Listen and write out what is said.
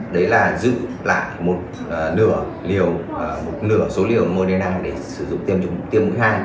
đấy là giữ lại một nửa liều một nửa số liều moderna để sử dụng tiêm mũi hai